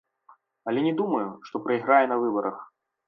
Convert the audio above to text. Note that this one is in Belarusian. Але не думаю, што прайграе на выбарах.